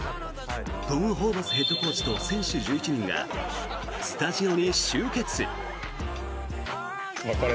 トム・ホーバスヘッドコーチと選手１１人がスタジオに集結！